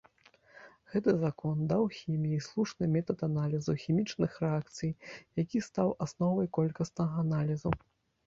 Гэты закон даў хіміі слушны метад аналізу хімічных рэакцый, які стаў асновай колькаснага аналізу.